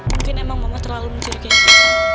mungkin emang mama terlalu mencurigai